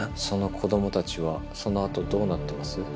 「その子供たちはその後どうなってます？」